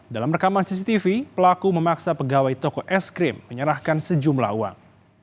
dalam rekaman cctv pelaku memaksa pegawai toko es krim menyerahkan sejumlah uang